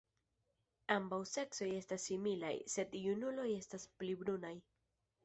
Ambaŭ seksoj estas similaj, sed junuloj estas pli brunaj.